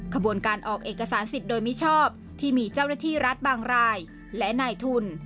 ขบวนการออกเอกสารสิทธิ์โดยมิชอบที่มีเจ้าหน้าที่รัฐบางรายและนายทุน